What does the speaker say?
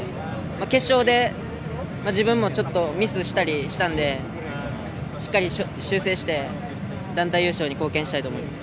決勝で自分もちょっとミスしたりしたんでしっかり修正して団体優勝に貢献したいと思います。